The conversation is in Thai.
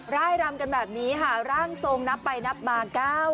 ร่ายรำกันแบบนี้ค่ะร่างทรงนับไปนับมา